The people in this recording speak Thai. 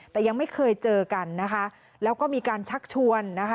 แต่ยังไม่เคยเจอกันแล้วก็มีการชักชวน